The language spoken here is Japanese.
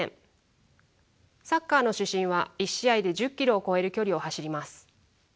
サッカーの主審は１試合で１０ｋｍを超える距離を走ります。